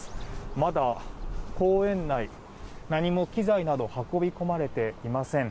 まだ公園内何も器材などが運び込まれていません。